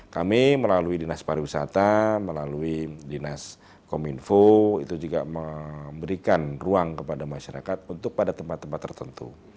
kami melalui dinas pariwisata melalui dinas kominfo itu juga memberikan ruang kepada masyarakat untuk pada tempat tempat tertentu